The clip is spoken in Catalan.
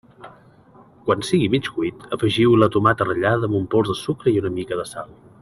Quan sigui mig cuit, afegiu-hi la tomata ratllada amb un pols de sucre i una mica de sal.